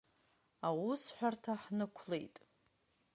Аусҳәарҭа ҳнықәлеит.